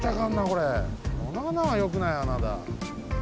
この穴はよくない穴だ。